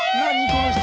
この人。